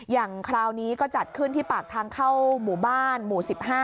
อย่างคราวนี้ก็จัดขึ้นที่ปากทางเข้าหมู่บ้านหมู่๑๕